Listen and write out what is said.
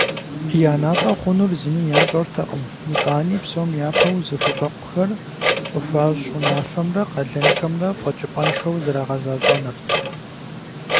Я натӀэ хъунур зыми ящӀэртэкъым, итӀани псом япэу зыхущӀэкъухэр къыхуащӀ унафэмрэ къалэнхэмрэ фэкӀыпӀэншэу зэрагъэзэщӀэнырт.